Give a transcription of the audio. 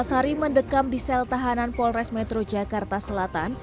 empat belas hari mendekam di sel tahanan polres metro jakarta selatan